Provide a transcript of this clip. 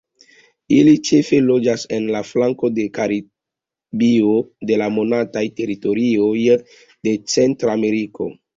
Ili ĉefe loĝas en la flanko de Karibio de la montaj teritorioj de Centrameriko.